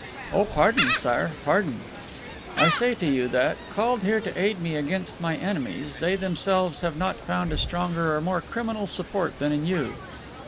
"Oh, pardon, Sire, pardon." "I say to you that, called here to aid me against my enemies, they themselves have not found a stronger or more criminal support than in you."